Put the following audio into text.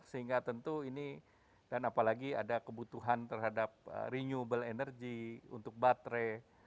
sehingga tentu ini dan apalagi ada kebutuhan terhadap renewable energy untuk baterai